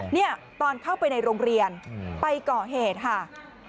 เนี่ยตอนเข้าไปในโรงเรียนไปก่อเหตุค่ะ